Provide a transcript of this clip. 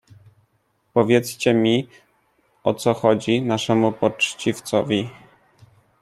"Powiedzcie mi o co to chodzi naszemu poczciwcowi?"